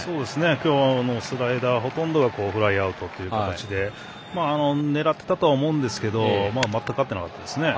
今日はスライダーほとんどがフライアウトという形で狙ってたとは思うんですが全く合ってなかったですね。